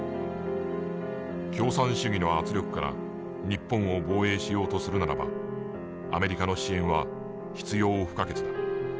「共産主義の圧力から日本を防衛しようとするならばアメリカの支援は必要不可欠だ。